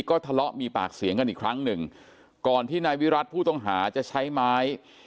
ก็ทะเลาะมีปากเสียงกันอีกครั้งหนึ่งก่อนที่นายวิรัติผู้ต้องหาจะใช้ไม้